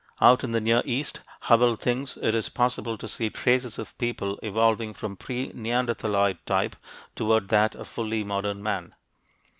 Out in the Near East, Howell thinks, it is possible to see traces of people evolving from the pre neanderthaloid type toward that of fully modern man.